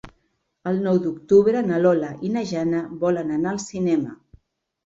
El nou d'octubre na Lola i na Jana volen anar al cinema.